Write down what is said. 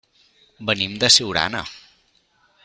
Venim de Siurana.